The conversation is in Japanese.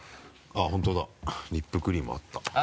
あっ本当だリップクリームあった。